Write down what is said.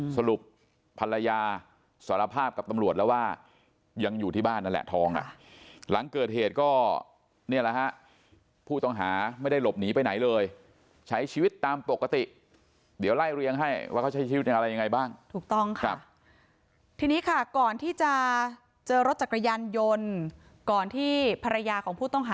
สรุปภรรยาสารภาพกับตำรวจแล้วว่ายังอยู่ที่บ้านนั่นแหละทอง